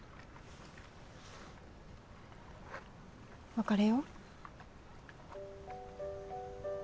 別れよう。